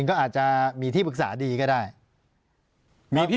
ปากกับภาคภูมิ